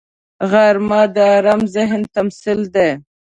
غرمه د آرام ذهن تمثیل دی